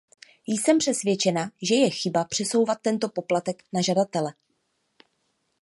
Jsem přesvědčena, že je chyba přesouvat tento poplatek na žadatele.